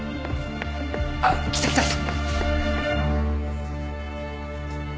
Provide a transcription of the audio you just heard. あっ来た来た来た。